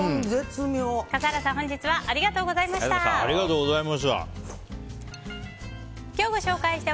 笠原さん、本日はありがとうございました。